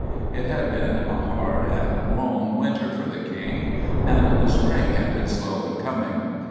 It had been a hard and long winter for the King, and the spring had been slow in coming.